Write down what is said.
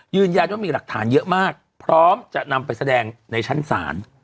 ยืนยันว่ามีหลักฐานเยอะมากพร้อมจะนำไปแสดงในชั้นศาล